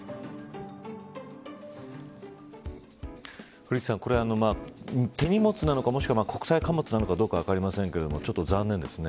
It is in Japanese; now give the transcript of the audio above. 古市さん、これ手荷物なのかもしくは国際貨物なのか分かりませんがちょっと残念ですね。